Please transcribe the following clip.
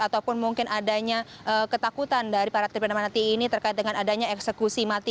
ataupun mungkin adanya ketakutan dari para terpidana mati ini terkait dengan adanya eksekusi mati